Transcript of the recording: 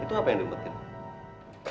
itu apa yang dimetikin